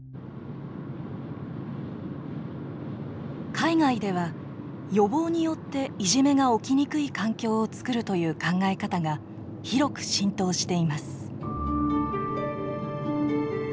海外では予防によっていじめが起きにくい環境を作るという考え方が広く浸透しています。